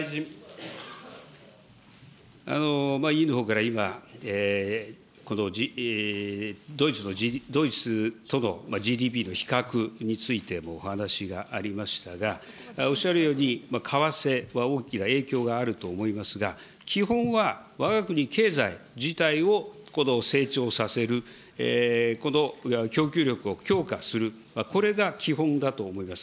委員のほうから今、このドイツとのＧＤＰの比較についてもお話がありましたが、おっしゃるように、為替は大きな影響があると思いますが、基本はわが国経済自体を成長させる、この供給力を強化する、これが基本だと思います。